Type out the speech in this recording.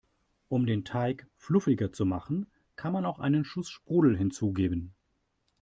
Um den Teig fluffiger zu machen, kann man auch einen Schuss Sprudel hinzugeben.